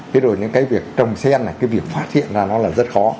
cái rồi những cái việc trồng sen này cái việc phát hiện ra nó là rất khó